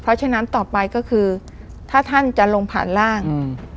เพราะฉะนั้นต่อไปก็คือถ้าท่านจะลงผ่านร่างอืม